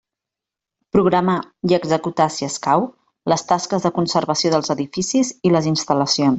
Programar i executar, si escau, les tasques de conservació dels edificis i les instal·lacions.